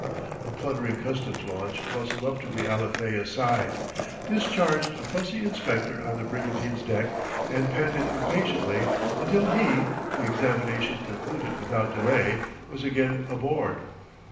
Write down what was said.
A pluttering customs launch bustled up to the Alethea's side, discharged a fussy inspector on the brigantine's deck, and panted impatiently until he, the examination concluded without delay, was again aboard.